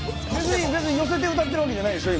別に寄せて歌ってるわけじゃないでしょ